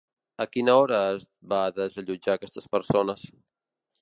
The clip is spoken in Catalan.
A quina hora es va desallotjar aquestes persones?